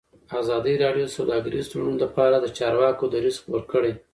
ازادي راډیو د سوداګریز تړونونه لپاره د چارواکو دریځ خپور کړی.